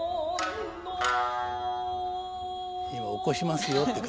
「今起こしますよ」って感じでね。